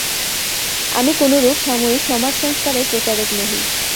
আমি কোনরূপ সাময়িক সমাজসংস্কারের প্রচারক নহি।